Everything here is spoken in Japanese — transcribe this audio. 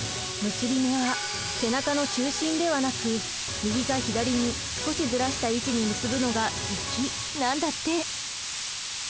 結び目は背中の中心ではなく右か左に少しずらした位置に結ぶのが粋なんだって。